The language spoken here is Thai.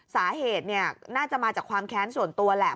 สาเหตุน่าจะมาจากความแค้นส่วนตัวแหละ